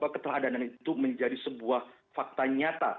keteladanan itu menjadi sebuah fakta nyata